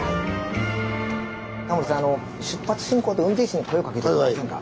タモリさん「出発進行」と運転手に声をかけて頂けませんか。